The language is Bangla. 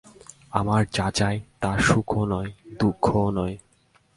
আমরা যা চাই, তা সুখও নয়, দুঃখও নয়।